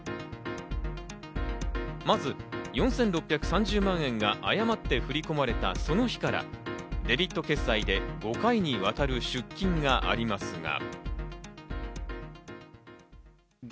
まず４６３０万円が誤って振り込まれたその日からデビット決済で５回にわたる出金がありますが。